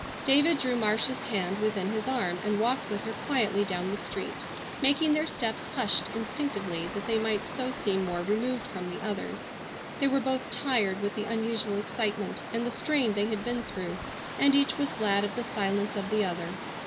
David drew Marcia's hand within his arm and walked with her quietly down the street, making their steps hushed instinctively that they might so seem more removed from the others. They were both tired with the unusual excitement and the strain they had been through, and each was glad of the silence of the other.